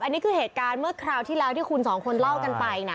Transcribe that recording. อันนี้คือเหตุการณ์เมื่อคราวที่แล้วที่คุณสองคนเล่ากันไปนะ